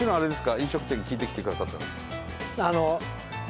飲食店聞いてきてくださった。